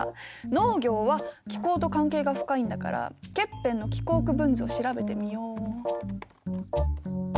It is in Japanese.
農業は気候と関係が深いんだからケッペンの気候区分図を調べてみよう。